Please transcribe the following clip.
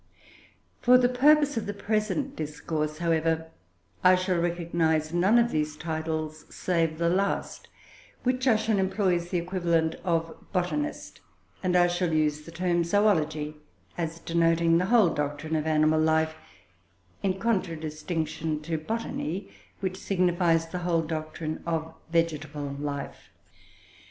For the purpose of the present discourse, however, I shall recognise none of these titles save the last, which I shall employ as the equivalent of botanist, and I shall use the term zoology is denoting the whole doctrine of animal life, in contradistinction to botany, which signifies the whole doctrine of vegetable life.